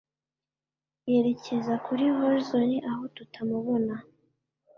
yerekeza kuri horizon aho tuta mubona